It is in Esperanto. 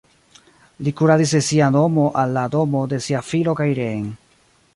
Li kuradis de sia domo al la domo de sia filo kaj reen.